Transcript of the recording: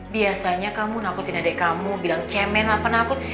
biasanya kamu nangkutin adek kamu bilang cemen lah penakut